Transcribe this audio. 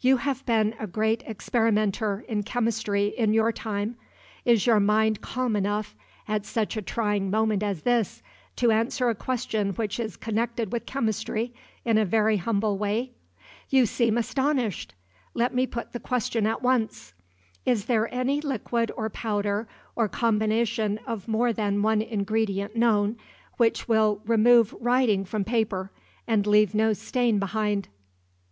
"You have been a great experimenter in chemistry in your time is your mind calm enough, at such a trying moment as this, to answer a question which is connected with chemistry in a very humble way? You seem astonished. Let me put the question at once. Is there any liquid or powder, or combination of more than one ingredient known, which will remove writing from paper, and leave no stain behind?"